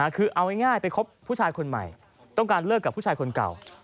คือเอาง่ายไปคบผู้ชายคนใหม่ต้องการเลิกกับผู้ชายคนเก่า